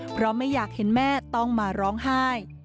เพราะไม่อยากเห็นแม่ต้องมาร้องไห้